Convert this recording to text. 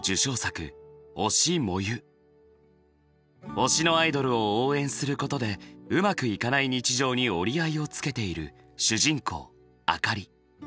推しのアイドルを応援することでうまくいかない日常に折り合いをつけている主人公あかり。